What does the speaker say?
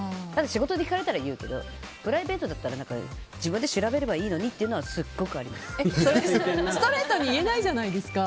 仕事で聞かれたら言うけどプライベートだったら自分で調べればいいのにストレートに言えないじゃないですか。